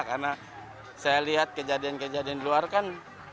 karena saya lihat kejadian kejadian di luar kan